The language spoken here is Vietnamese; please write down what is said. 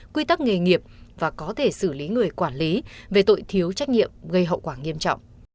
quy tắc nghề nghiệp và có thể xử lý người quản lý về tội thiếu trách nhiệm gây hậu quả nghiêm trọng